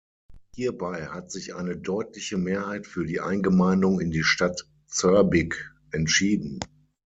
Hierbei hat sich eine deutliche Mehrheit für die Eingemeindung in die Stadt Zörbig entschieden.